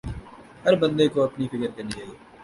ہر بندے کو اپنی فکر کرنی چاہئے